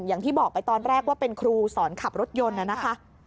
อย่างที่บอกไปตอนแรกว่าเป็นครูสอนขับรถยนต์นะคะ